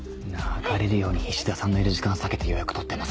流れるように菱田さんのいる時間避けて予約取ってますよ。